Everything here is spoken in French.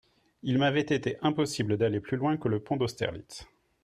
Il m'avait ete impossible d'aller plus loin que le pont d'Austerlitz.